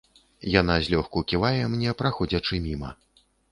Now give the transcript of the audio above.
Яна злёгку ківае мне, праходзячы міма.